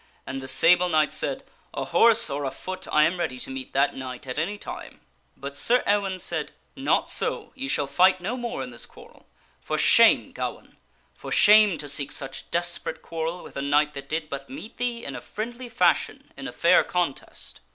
And the Sable Knight said, " A horse or afoot, I am ready to meet that knight at any time." But Sir Ewaine said, " Not so ; ye shall fight no more in this quarrel. For shame, Gawaine ! For shame to seek such desperate quarrel with a knight that did but meet thee in a friendly fashion in a fair contest